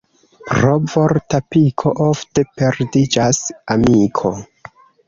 Pro vorta piko ofte perdiĝas amiko.